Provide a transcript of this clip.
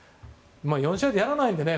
４試合でやらないのでね